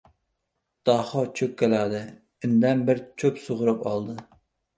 Daho cho‘kkaladi. Indan bir cho‘p sug‘urib oldi.